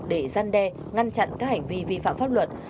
để gian đe ngăn chặn các hành vi vi phạm pháp luật